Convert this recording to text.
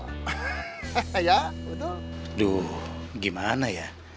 aduh gimana ya